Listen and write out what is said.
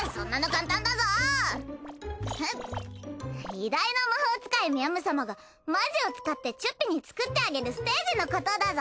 偉大な魔法使いみゃむ様がマジを使ってチュッピに作ってあげるステージのことだぞ！